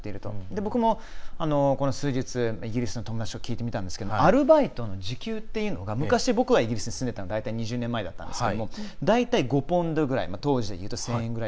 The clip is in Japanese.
僕もこの数日イギリスの友達に聞いてみたんですがアルバイトの時給が、僕が昔イギリスに住んでいたのが大体２０年前だったんですが大体５ポンドぐらい当時で言うと１０００円くらい。